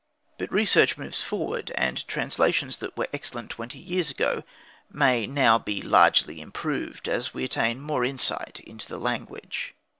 But research moves forward; and translations that were excellent twenty years ago may now be largely improved, as we attain more insight into the language.